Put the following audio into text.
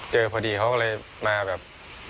เจอพอดีเขาก็เลยมาแบบ